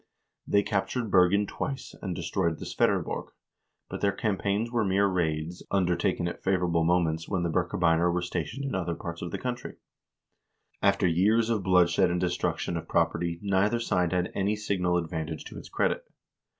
They captured Bergen twice and destroyed the Sverreborg; but their campaigns were mere raids, undertaken at favorable moments, when the Birkebeiner were stationed in other parts of the country. After years of bloodshed and destruction of property neither side had any signal advantage to its credit.